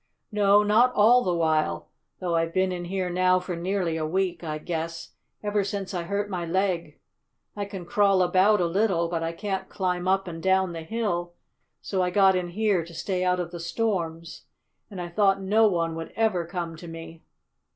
"No, not all the while, though I've been in here now for nearly a week, I guess, ever since I hurt my leg. I can crawl about a little but I can't climb up and down the hill, so I got in here to stay out of the storms, and I thought no one would ever come to me."